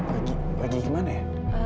lagi lagi kemana ya